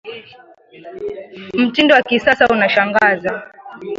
Mtindo wa kisasa unashangaza